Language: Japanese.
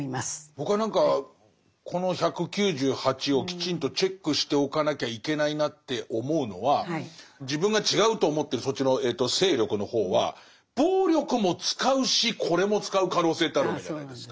僕は何かこの１９８をきちんとチェックしておかなきゃいけないなって思うのは自分が違うと思ってるそっちの勢力の方は暴力も使うしこれも使う可能性ってあるわけじゃないですか。